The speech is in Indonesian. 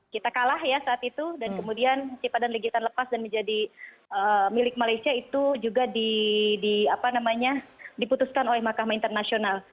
kita kalah ya saat itu dan kemudian sipadan legitan lepas dan menjadi milik malaysia itu juga diputuskan oleh mahkamah internasional